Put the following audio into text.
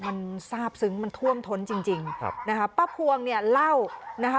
มันทราบซึ้งมันท่วมท้นจริงจริงครับนะคะป้าพวงเนี่ยเล่านะคะ